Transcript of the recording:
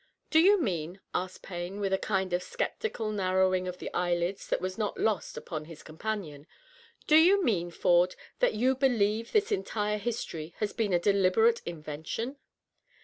" Do you mean," asked Payne, with a kind of sceptical narrowing of the eyelids that was not lost upon his companion —" do you mean. Ford, that you believe this entire history has been a deliberate in vention